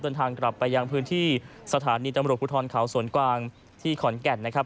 เดินทางกลับไปยังพื้นที่สถานีตำรวจภูทรเขาสวนกวางที่ขอนแก่นนะครับ